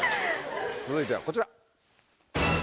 続いてはこちら。